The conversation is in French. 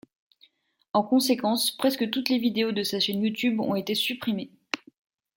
En conséquence, presque toutes les vidéos de sa chaîne YouTube ont été supprimées.